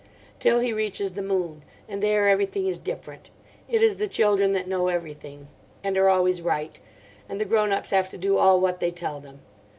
Till he reaches the moon. And there everything is different. It is the children that know everything. And are always right. And the grown ups have to do all what they tell them.